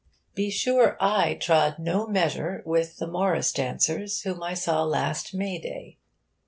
Be sure I trod no measure with the Morris dancers whom I saw last May day.